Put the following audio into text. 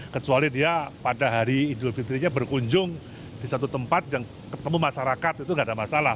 kecuali dia pada hari idul fitrinya berkunjung di satu tempat yang ketemu masyarakat itu tidak ada masalah